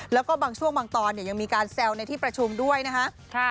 แล้วก็บางช่วงบางตอนเนี่ยยังมีการแซวในที่ประชุมด้วยนะคะ